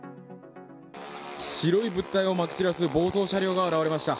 白い物体をまき散らす暴走車両が現れました。